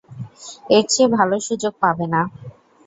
এর চেয়ে ভালো সুযোগ পাবে না।